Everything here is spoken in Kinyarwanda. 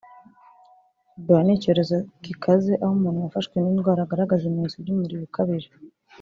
Ebola ni icyorezo kikaze aho umuntu wafashwe n’iyi ndwara agaragaza ibimenyetso by’umuriro ukabije